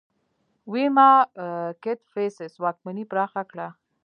ویما کدفیسس واکمني پراخه کړه